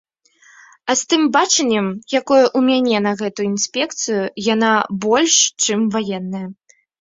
А з тым бачаннем, якое ў мяне на гэтую інспекцыю, яна больш, чым ваенная.